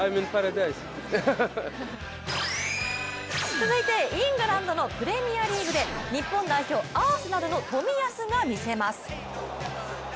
続いてイングランドのプレミアリーグで日本代表、アーセナルの冨安が見せます。